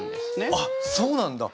あっそうなんだ。